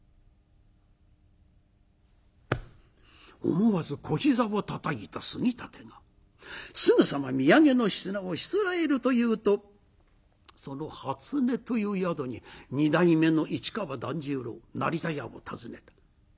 思わず小膝をたたいた杉立がすぐさま土産の品をしつらえるというとそのはつねという宿に二代目の市川團十郎成田屋を訪ねた。